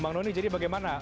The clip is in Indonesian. bang doni jadi bagaimana